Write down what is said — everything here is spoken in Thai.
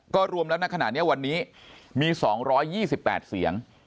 ก็รวมแล้วในขณะนี้วันนี้มี๒๒๘เสียง